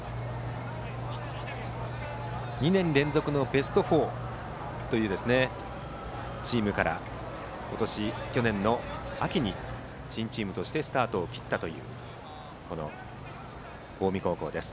２年連続のベスト４というチームから去年の秋に新チームとしてスタートを切ったという近江高校です。